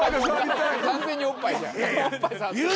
完全におっぱいじゃん。